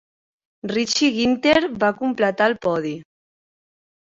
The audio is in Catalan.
Richie Ginther va completar el podi.